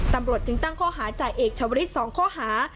ตำรวจจึงตั้งข้อหาจ่าเอกชาวริส๒ข้อหา